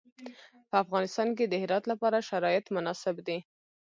په افغانستان کې د هرات لپاره شرایط مناسب دي.